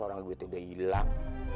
orang gue tuh udah hilang